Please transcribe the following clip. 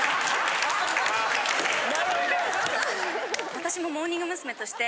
私もモーニング娘として。